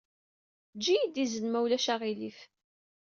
Eǧǧ-iyi-d izen ma ulac aɣilif.